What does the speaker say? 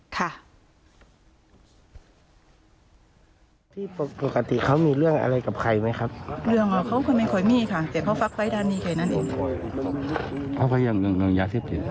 ที่ปกติเขามีเรื่องอะไรกับใครไหมครับ